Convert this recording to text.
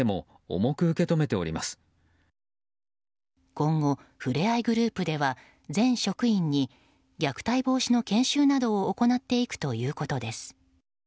今後、ふれあいグループでは全職員に虐待防止の研修などを行っていくということです。